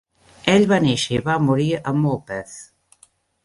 Ell va néixer i va morir a Morpeth.